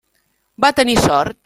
Va tenir sort.